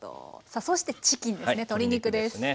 さあそしてチキンですね。